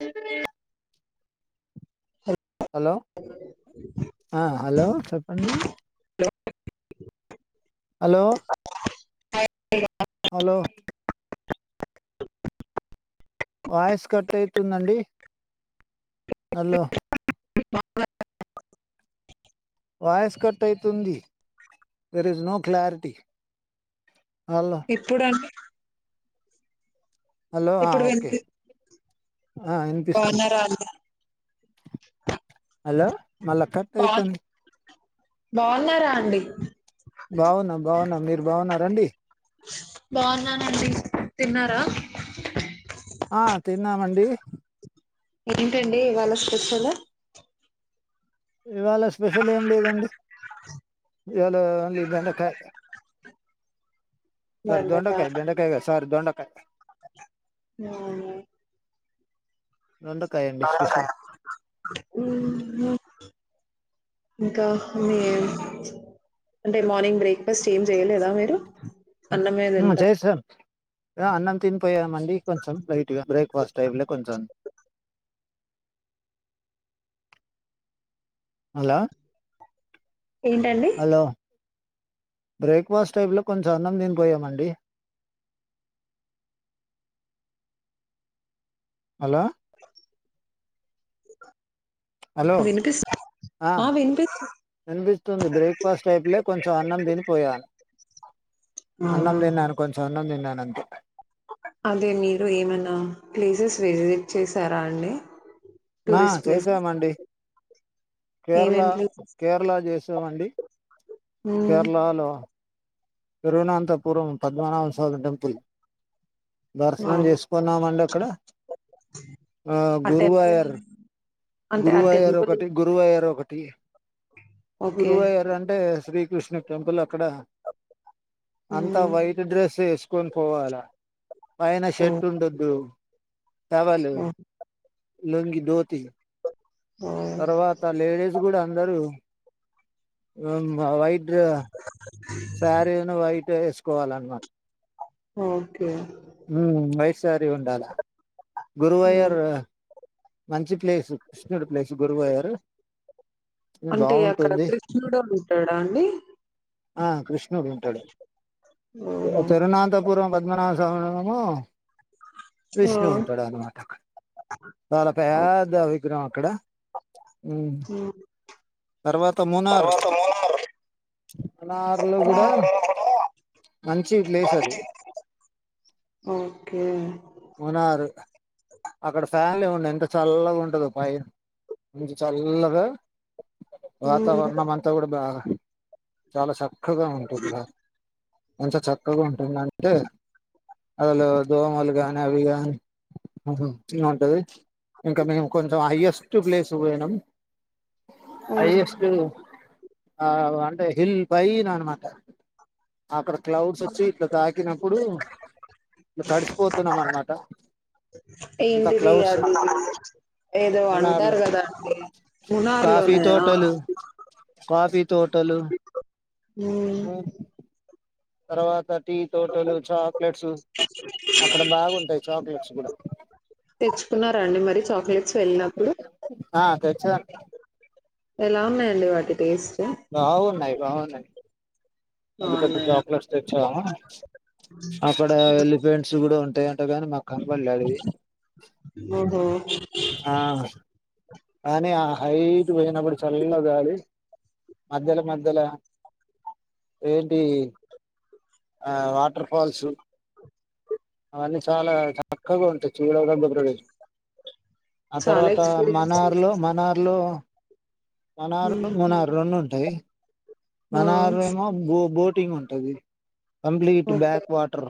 అ hello ఆ hello చెప్పండి hello hello voice cut అవుతుందండి హా లో వాయిస్ కట్ అయితుంది there is no clarity hello ఎప్పుడండి హలో ఆ ఇప్పుడు ఓకే వినిపి ఇనిపిస్తుద్ బాగున్నారా అండి హలో మళ్ళ కట్ బా అయితుంది బాగున్నారా అండి బాగున్న బాగున్న మీరు బాగున్న రండి బాగున్నానండి తిన్నారా ఆ తిన్నామండి ఏంటండి ఇవాళ స్పెషల్ ఇవాళ స్పెషల్ ఏం లేదండి ఇవాళ ఓన్లీ బెండకాయ్ సార్ బెండకాయ దొండకాయి బెండకాయి గా సార్ దొండకాయి నవునా దొండకాయ అండి హు స్పెషల్ హ్యూమ్ ఇంకా మీ అంటే మార్నింగ్ బ్రేక్ఫాస్ట్ ఏం చేయలేదా మీరు అన్నమే హూ తింటారు చేయిస్సా అన్నం తినిపోయామండి కొంచెం లైట్గా బ్రేక్ఫాస్ట్ టైమ్ లో కొంచెం హలో ఏంటండి హలో బ్రేక్ఫాస్ట్ టైప్ లో, కొంచెం అన్నం దినిపోయామండి. హలో హలో వినిపిస్తు ఆ వినిపిస్తుంది. బ్రేక్ఫాస్ట్ టైపులే కొంచెం అన్నం తినిపోయా అన్నం అవునా తిన్నాను, కొంచెం అన్నం తిన్నాను. అంతే అదే మీరు ఏమన్నా ప్లేసెస్ విజిట్ చేసారా అండి నా టూరిస్ట్ ప్లేస్ చేసామండి కేరళ ఏమేం ప్లేసెస్ కేరళ చేసామండి హ్మ్ కేరళలో తిరువనంతపురం పద్మనాభ స్వామి టెంపుల్ దర్శనం అవును చేసుకున్నామండి అక్కడ ఆ గురువాయర్ అంటే ఆ గురువయారు టెంపుల్ ఒకటి గురువయారు ఒకటి టి ఓకే గురువయారు అంటే శ్రీ కృష్ణ టెంపుల్ అక్కడ అంత హ్మ్ వైట్ డ్రెస్ వేసుకొని పోవాల పైన ఓ షర్ట్ ఉండొద్దు టవల్ ఓ లుంగీ ధోతి ఓ తర్వాత లేడీస్ కూడా అందరు వమ్మా వైట్ రా సారీ ఉన్ను వైట్ వేసుకోవాలన్న ఓకే హ్మ్ వైట్ సారీ ఉండాలా హ్మ్ గురువయరు మంచి ప్లేసు కృష్ణుడు గురువయ్యర్ అంటే అక్కడ బాగుంటుంది కృష్ణుడు డోళ్లు ఉంటాడా అండి ఆ క్రిష్ నుడు ఉంటాడు ఓహో తరునంతపురం పద్మనాభ ధనము ఆ విష్ణువు ఉంటాడు అన్నమాట అక్క తాలా ఓకే పెద్ద విగ్రహం అక్కడ ఉమ్ హ్మ్. తర్వాత మూనార్ తర్వాత మూలార్ మునారులో కూడా మూలార్‌లో కూడా మంచి ప్లేస్ అది ఓకే మునారు అక్కడ ఫ్యాన్ లే ఉండయ్ ఎంత చల్లగా ఉంటదో పైన మంచి చల్లగా హ్మ్ వాతావరణం అంతా కూడా బాగా చాల షాప్ అక్కగా ఉంటుంద ఎంత చక్కగా ఉంటుంది అంటే అసలు దోమలు కాని అవి కాని ఉంటది ఇంకా మేము కొంచెం హయ్యెస్ట్ ప్లేస్ పోయినాం హ్మ్ అయ్యెస్ట్ ఆ అంటే హిల్ పైనా అన్నమాట అక్కడ క్లౌడ్స్ వచ్చి ఇట్లా తాకినప్పుడు ఇ తడిసిపోతున్నాం అనమాట అంత ఏంటిది క్లౌడ్స్ అది ఏదో మున్నార్ లో అంటారు కదా అండి కాఫీ మన్నారుార్లోనేయా తోటలు కాఫీ తోటలు హ్మ్మ్ తర్వాత టీ తోటలు చాక్లెట్స్ అక్కడ బాగుంటాయి చాక్లెట్స్ కూడా తెచ్చుకున్నారా అండి మరి చాక్లెట్స్ వెళ్ళినప్పుడు ఆ తెచ్చ ఎలా ఉన్నాయండి వాటి టేస్ట్ బాగున్నాయి బావున్నాయి పెద్ద పెద్ద బాగున్నాయా చాక్లెట్స్ తెచ్చాము అక్కడ ఎలిఫెంట్స్ కూడా ఉంటాయంట కాని మా కనపడలేదు ఓహో! ఆవి కానీ ఆ హైట్ పోయినప్పుడు చల్లగాాలలి మధ్యలో మధ్యలో ఏంటి ఆ వాటర్ ఫాల్స్ అవన్నీ చాలా చక్కగా ఉంటాయి చూడా ఆ చాలా తర్వాత మన ఎక్స్పీరియన్స్ చేశారు. మనార్లో మనారు హ్మ్. మనారు రెండు ఉంటాయి ఆ! మనారు ఏమో బోట్ టింగ్ ఉంటది కంప్లీట్ ఓకే. బ్యాక్ వాటర్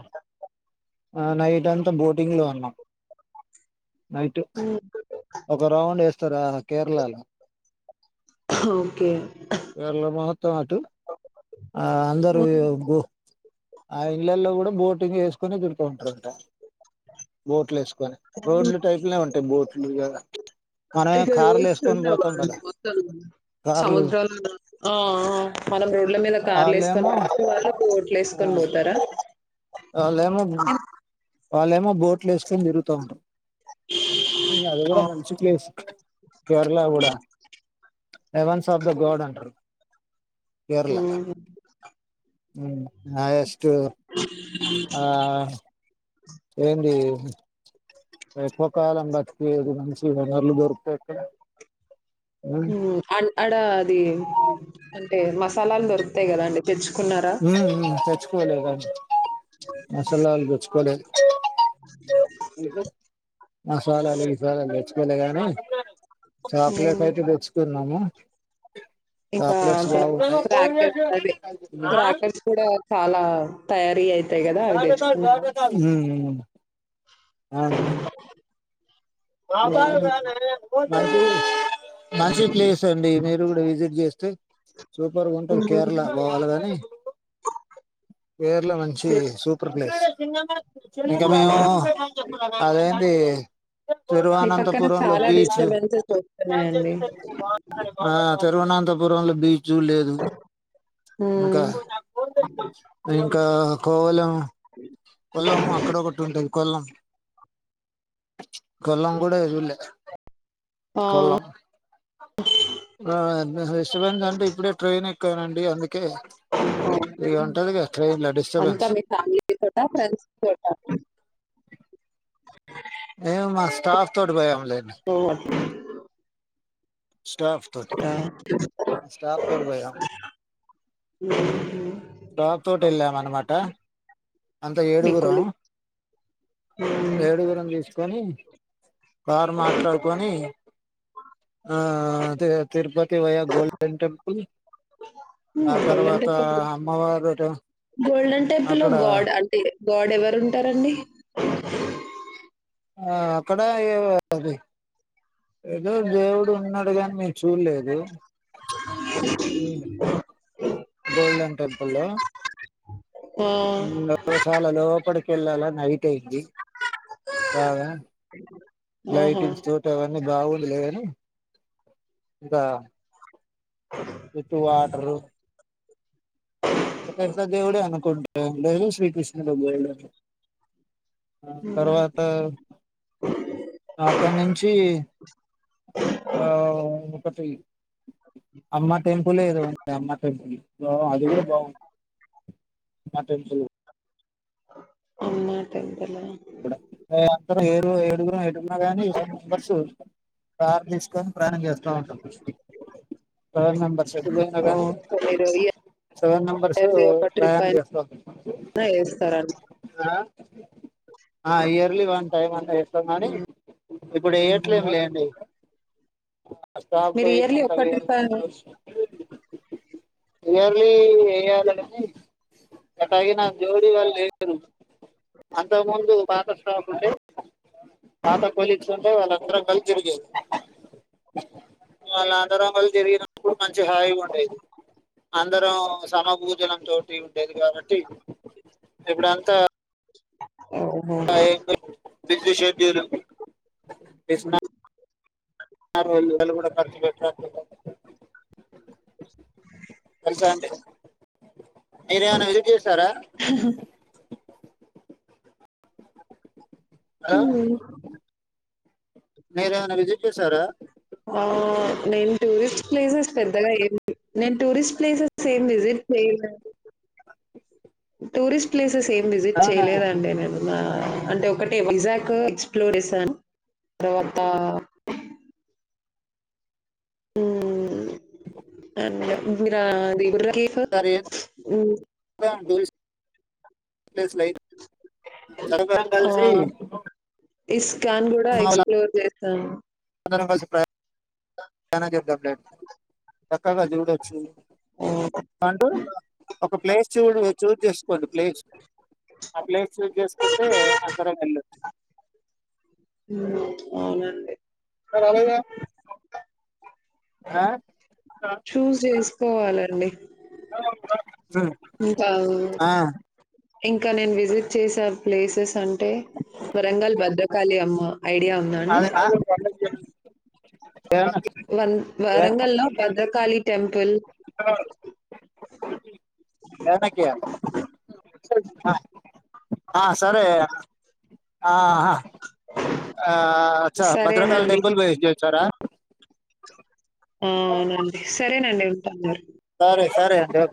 ఆ నైట్ అంతా బోటింగ్ లో ఉన్న నైటు హ్మ్. ఒక రౌండ్ ఏస్ తారా కేరళలో ఓకే. మాత్రమ్ అటు ఆ అందరు హ్మ్. ఆ ఇళ్లలో కూడా బోట్ వి వేసుకొనే తిరుగుతూ ఉంటరంట బోట్లు వేసుకొని రోడ్ల టైప్లానే ఉంటాయి బోట్ ఇటు వేసుకొని పోయినవ పోతాం అండి కదా మొత్తమ్ కార్లు సముధ్రాలు ఆ ఆ ఆ మనం రోడ్ల మీద కార్లు వెసుకోని వాళ్ళేమో లేస్కం పోతారా వాళ్లేమో వాళ్ళేమో బోట్లు వేసుకొని తిరుగుతా ఉంటారు అది ఆ! గూడా మంచి ప్లేస్ కేరళ గూడా హీవెన్స్ ఆఫ్ ద గాడ్ అంటారు ఆ హ్మ్ నా యాష్ టు ఆ ఆ ఏంది ఎక్కువ కాలం బ్రతకలేడు మంచి వనరులు దొరికితే అక్కడ ఉమ్ ఆ అన్ ఆడ అది ఏ మసాలాలు దొరుకుతాయి కదా అండి హు హుమ్ తెచ్ కోలేదన్ మాసాలల్ తెచ్చుకోలేద్ మసాలాలు ఉల్లిపాయలు తేచ్చుకోలే కానీ చాక్లెట్లు ఉమ్ అయితే తెచ్చుకున్నాము ఇంకా చాక్లెట్స్ బా అక్కడ క్రాకర్స్ అదే క్రాకర్స్ కూడా చాలా తయా అరే అయి హ్మ్ మ్మ్ ఆ మ హ్మ్. మంచి ప్లేస్ అండి మీరు కూడా విజిట్ చేస్తే సూపర్గా ఉంటది హ్మ్. కేరళ పోవాలి కాని కేరళ మంచి సూపర్ ప్లేస్ తిన్నామా ఇంకా మేము అవును అదేంది మీ పక్కన తిరువనంతపురం లో చాలా బీచు డిస్టర్బెన్సెస్ వస్తున్నాయండి ఆ తిరువనంతపురం [unintelligible] చూడలేదు ఇంకా ఉమ్ ఇంకా కోవలం కొలం అక్కడొక టుంటది కొలం కొలం కూడా చూడలే ఆ కొల్ల అవును. ఆన్ మీకు డిస్టర్బెన్స్ అంటే ఇప్పుడే ట్రైన్ ఎక్ క్కుదున్ అండి అందుకే ఇగ ఉంటదిగా ట్రైన్ల అంతా డిస్టర్బెన్స్ మీ ఫ్యామిలీ తోటా ఫ్రెండ్స్ తోటా ఏమో మా స్టాఫ్ తోటి పోయాంలేండి ఓ అట్లా స్టాఫ్ తోటి, స్టాఫ్ తోటి పోయినాం. స్టాఫ్ తోటి వెళ్ళాం అనమాట అంత మీ ఏడుగురం కొలీగ్ ఏడుగురం తీస్. చనీ కార్ మాట్లాడుకొని ఆ తిరుపతి వయ్య గోల్డెన్ టెంపుల్, ఆ ఉమ్ గోల్డెన్ తర్వాత టెంపుల్ అమ్మవారు గోల్డెన్ టెంపుల్ లో అక్కడ. గాడ్ అంటే గాడ్ ఎవరుంటారంండి ఆ అక్కడ ఏవ అది ఏదో దేవుడు ఉన్నాడు గానీ గోల్డెన్ టెంపుల్లో ఆ లో చాలా లోపడి కెళ్ళాల నైట్ అయ్యిద్ది బాగా ఆహా లైటింగ్స్ తోటి అవన్నీ అ విత్ వాటరు శ్రీకృష్ణ ఉమ్ తర్వాత అక్కడి నుంచి ఆ అమ్మ టెంపులేదో ఉంది అమ్మ టెంపుల్ అది గూడా బాగు మటంసు అమ్మా టెంపుల అందరు ఏడు ఏడుగురు ఎడుగున్నా గాని మెంబర్స్ కార్ తీసుకని ప్రయాణం చేస్తారు సెవెన్ మెంబర్స్ ఎటు పోయిందో ఓ గానీ సో మీరు సెవెన్ మెంబర్స్ ఇయర్లీ ఒక ట్రిప్ ప్రయాణ అయినా చేస్తా వేస్తారని ఆ ఇయర్లీ వన్ టైమ్ అంత ఏస్తాం గాని ఇప్పుడు యెయ్యట్లేమి లేండి ఆ మీరు అస్తాపోయి ఇయర్లీ తగ ఒక్క ట్రిప్ అయినా ఇయర్లీ ఎయ్యాలనుంది బట్ అయిన జోడీ వాళ్ళు లేరు చెల్ అంతకు ముందు పాత షాపుదే పాత కొలీగ్స్ వుంటే వాళ్ళందరం కలిసి తిరిగేది వాళ్ళ అందరం కలిసి తిరిగినప్పుడు మంచి హాయిగా ఉండేది అందరం సమభోజనం తోటి ఉండేది కాబట్టి ఇప్పుడంతా ఓహో ఇంకా ఏంటి బిజి షెడ్యూల్ వేస్తున్న వాళ్ళు కూడా ఖర్చు పెట్టట్లే తెలుసా అండి మీరు ఏమైనా విసిట్ చేస్తారా ఉ మీరు ఏమైనా విసిట్ జేశారా ఆ నేను టూరిస్ట్ ప్లేసెస్ పెద్దగా ఏం నేను టూరిస్ట్ ప్లేసెస్ ఏం విసిట్ చేయలే టూరిస్ట్ ప్లేసెస్ ఏం విసిట్ అవునా చేయలేదండి నేను నా అంటే ఒక్కటే వైజాగ్ ఎక్స్ప్లోర్ జేసాను తర్వాత ఉ మీరా దేవుడుగా సరే రా బేస్ బ్రేస్ లైట్ అందరూ కలిసి ఇస్ ఇస్కాన్ కూడా ఎక్స్ప్లోర్ చేస్ స అందరం కలిసి ప్లైన్ కానా చెప్దాం లేడి చక్కగా చూడొచ్చు అవును. అంటూ ఒక ప్లేస్ చూస్ చూస్ చేసుకోండి ప్లేస్ ఆ ప్లేస్ చూస్ చేసుకుంటే అందరం వెళ్ళొచ్చు హ్మ్. అవునండి. ఆ? చూస్ చేసుకోవాలండి ఇంకా ఆ, ఇంకా నేను విసిట్ చేసే ప్లేసెస్ అంటే వరంగల్ భద్రకాళి అమ్మ ఐడియా ఉందా అండి? ఆగండ్ ఆగండి అందరికి చెప్పి చూస్ వన్ వరంగల్లో భద్రకాళి టెంపుల్ ఏమన్నా చేయాలి? ఆ సరే ఆ ఆ అ భద్రకాళి సరేనండి. టెంపుల్ పోయి వచ్చారా అవునండి సరేనండి [unintelligible] సరే సరే అండి ఓకే